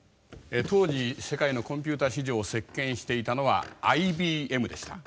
当時世界のコンピューター市場を席巻していたのはＩＢＭでした。